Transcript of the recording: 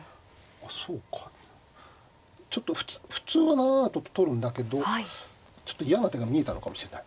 そうかちょっと普通は７七とと取るんだけどちょっと嫌な手が見えたのかもしれない。